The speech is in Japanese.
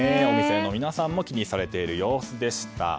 お店の皆さんも気にされている様子でした。